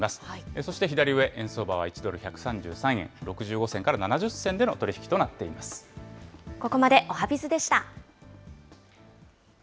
そして左上、円相場は１ドル１３３円６５銭から７０銭での取り引きとなっていここまで、おはＢｉｚでした。